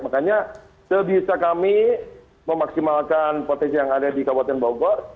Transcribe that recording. makanya sebisa kami memaksimalkan potensi yang ada di kabupaten bogor